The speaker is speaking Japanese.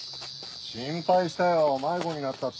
心配したよ迷子になったっていうから。